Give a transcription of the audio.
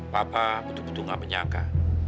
bapak betul betul gak menyangka